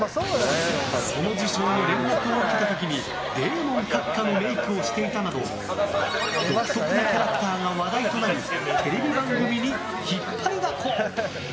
その受賞の連絡を受けた時にデーモン閣下のメイクをしていたなど独特なキャラクターが話題となりテレビ番組に引っ張りだこ！